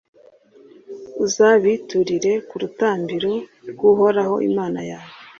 uzabiturire ku rutambiro rw’uhoraho imana yawe;